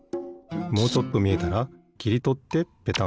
もうちょっとみえたらきりとってペタン。